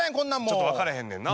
ちょっと分からへんねんな。